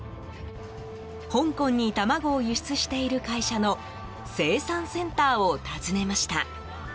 香港に卵を輸出している会社の生産センターを訪ねました。